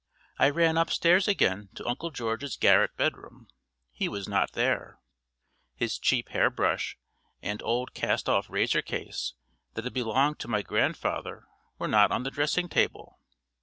I ran upstairs again to Uncle George's garret bedroom he was not there; his cheap hairbrush and old cast off razor case that had belonged to my grandfather were not on the dressing table.